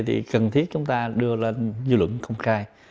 thì cần thiết chúng ta đưa lên dư luận công khai